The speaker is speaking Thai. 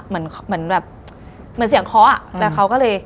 เหมือนเสียงเคาะแล้วเค้าก็เลย